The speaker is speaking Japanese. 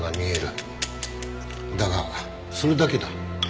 だがそれだけだ。